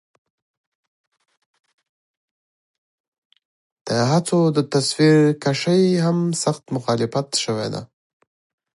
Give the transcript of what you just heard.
د هڅو د تصويرکشۍ هم سخت مخالفت شوے دے